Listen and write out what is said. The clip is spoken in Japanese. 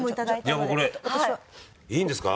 いやもうこれいいんですか？